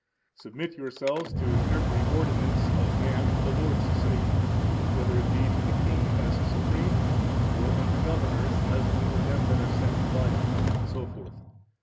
Submit yourselves to every ordinance of man for the Lord's sake, whether it be to the king as supreme, or unto governors as unto them that are sent by him, etc.